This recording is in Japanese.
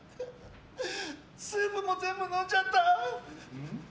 スープも全部飲んじゃった。